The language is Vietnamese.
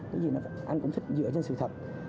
cái gì mà anh cũng thích dựa trên sự thật